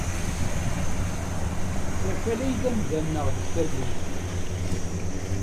D Akal ay d amda-nneɣ deg tallunt.